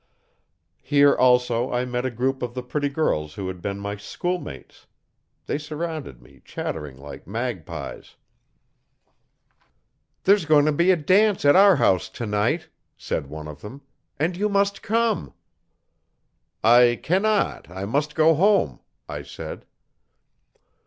Here also I met a group of the pretty girls who had been my schoolmates. They surrounded me, chattering like magpies. 'There's going to be a dance at our house tonight,' said one of them, 'and you must come.' 'I cannot, I must go home,' I said.